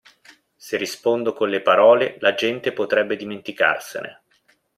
Se rispondo con le parole, la gente potrebbe dimenticarsene.